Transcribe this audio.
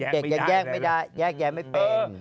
ตอนนี้เด็กยังแยกไม่ได้แยกไม่เป็น